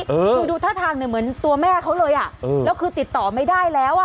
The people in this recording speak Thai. คือดูท่าทางเนี่ยเหมือนตัวแม่เขาเลยอ่ะเออแล้วคือติดต่อไม่ได้แล้วอ่ะ